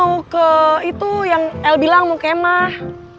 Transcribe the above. mau ke itu yang el bilang mau kemah